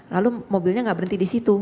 lalu mobilnya nggak berhenti di situ